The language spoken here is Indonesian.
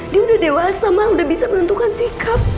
dia udah dewasa mah udah bisa menentukan sikap